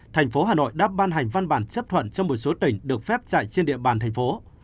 thành phố hà nội đã ban hành văn bản chấp thuận cho một số tỉnh được phép chạy trên địa bàn thành phố